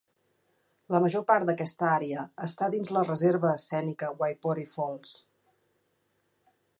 La major part d'aquesta àrea està dins de la Reserva Escènica Waipori Falls.